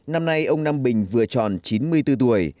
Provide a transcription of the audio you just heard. năm nay ông nam bình vừa tròn chín mươi bốn tuổi